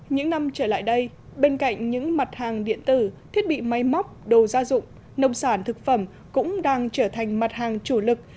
những năm trở lại đây bên cạnh những mặt hàng điện tử thiết bị máy móc đồ gia dụng nông sản thực phẩm cũng đang trở thành mặt hàng chủ lực